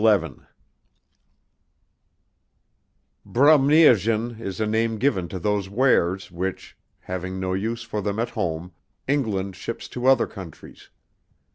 "Brumniagen" is a name given to those wares which, having no use for them at home, England ships to other countries.